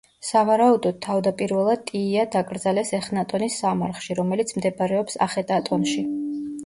სავარაუდოდ, თავდაპირველად ტიია დაკრძალეს ეხნატონის სამარხში, რომელიც მდებარეობს ახეტატონში.